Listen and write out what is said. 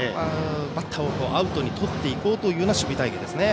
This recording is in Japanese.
バッターをアウトにとっていこうという守備隊形ですね。